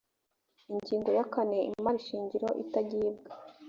ingingo ya kane imari shingiro itagibwa